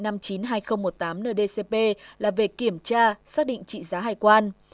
năm chín hai nghìn một mươi tám nửa dcp là về kiểm tra xác định trị giá hải quan